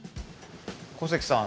小関さん